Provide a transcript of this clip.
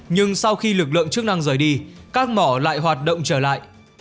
nhưng sau khi lực lượng chức năng rời đi các mỏ lại hoạt động trở lại